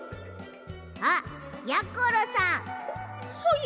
あっやころさん！ははい！